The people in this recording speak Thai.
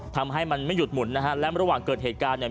ทำให้มันไม่หยุดหมุนนะฮะและระหว่างเกิดเหตุการณ์เนี่ย